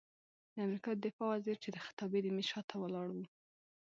د امریکا د دفاع وزیر چې د خطابې د میز شاته ولاړ و،